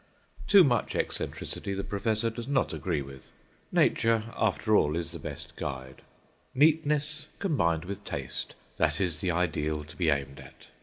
Too much eccentricity the professor does not agree with. Nature, after all, is the best guide; neatness combined with taste, that is the ideal to be aimed at.